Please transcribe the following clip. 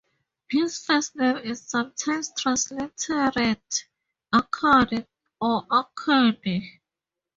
His first name is sometimes transliterated Arcady or Arkady.